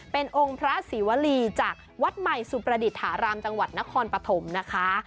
เป็นองค์พระศรีวรีจากวัดใหม่สุประดิษฐารามจังหวัดนครปฐมนะคะ